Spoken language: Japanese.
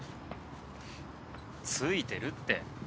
ふっついてるって。